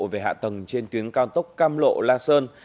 về hạ tầng trên tuyến cao tốc cam lộ la sơn